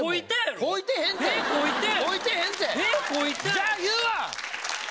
じゃあ言うわ！